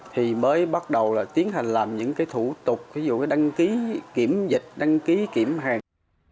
thì mới bắt đầu tiến hành làm những thủ tục ví dụ đăng ký kiểm dịch đăng ký kiểm hàng